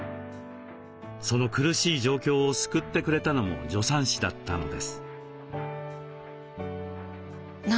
その苦しい状況を救ってくれたのも助産師だったのです。